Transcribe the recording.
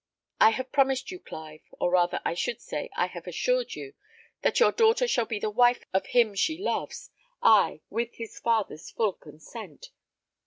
I have promised you, Clive, or rather I should say, I have assured you, that your daughter shall be the wife of him she loves, ay, with his father's full consent.